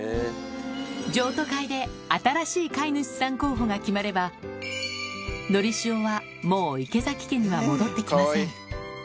譲渡会で新しい飼い主さん候補が決まれば、のりしおはもう池崎家には戻ってきません。